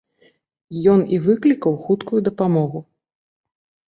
Ён і выклікаў хуткую дапамогу.